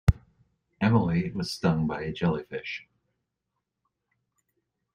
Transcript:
Emily was stung by a jellyfish.